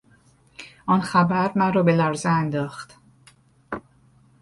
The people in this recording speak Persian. آن خبر مرا به لرزه انداخت.